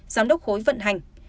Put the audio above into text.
giám đốc khối vận hành